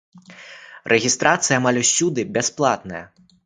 Рэгістрацыя амаль усюды бясплатная.